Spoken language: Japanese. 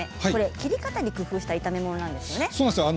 切り方に工夫した炒め物ですね。